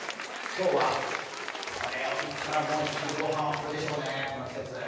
今日は、これを見たら昼ご飯はこれでしょうね、この季節。